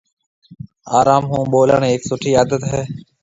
آروم هون ٻولڻ هيَڪ سُٺِي عادت هيَ۔